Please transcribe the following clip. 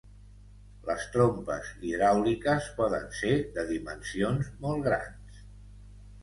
Les trompes hidràuliques poden ser de dimensions molt grans.